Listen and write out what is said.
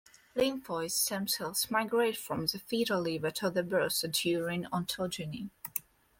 Lymphoid stem cells migrate from the fetal liver to the bursa during ontogeny.